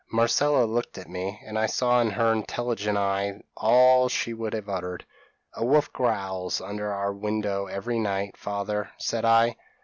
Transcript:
Marcella looked at me; and I saw in her intelligent eye all she would have uttered. "'A wolf growls under our window every night, father,' said I.